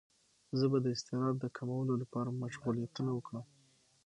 زه به د اضطراب د کمولو لپاره مشغولیتونه وکړم.